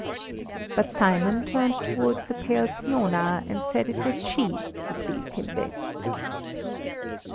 But Simon turned towards the pale Siona and said it was she who pleased him best.